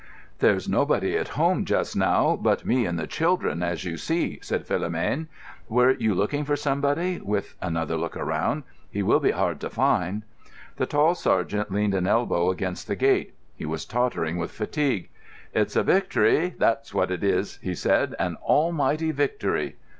"There's nobody at home just now but me and the children, as you see," said Philomène. "Were you looking for somebody?" with another look around. "He will be hard to find." The tall sergeant leaned an elbow against the gate. He was tottering with fatigue. "It's a victory, that's what it is," he said; "an almighty victory."